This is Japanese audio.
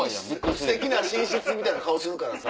ステキな寝室みたいな顔するから。